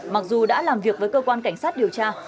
sau khi làm việc với cơ quan cảnh sát điều tra